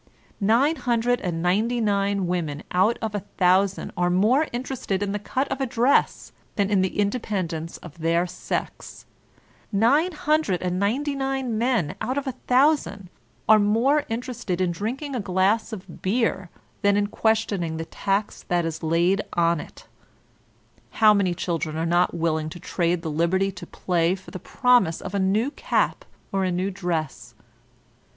Nine hundred and ninety nine women out of a thousand are more interested in the cut of a dress than in the independence of their sex; nine hundred and nine nine men out of a thousand are more interested in drinking a gbss of beer than in questioning the tax that is laid on it; how many children are not willing to trade the liberty to play for the promise of a new cap or a new dress?